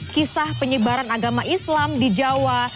kisah penyebaran agama islam di jawa